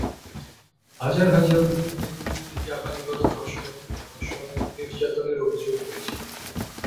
হাজার হাজার রোহিঙ্গাদের বিরুদ্ধে জাপানী গণধর্ষণ, ধর্ষণ, নির্যাতনের অভিযোগ রয়েছে।